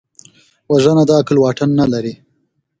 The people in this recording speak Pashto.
وژنه د عقل واټن نه لري